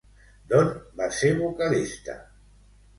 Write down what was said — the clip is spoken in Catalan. D'on va ser vocalista?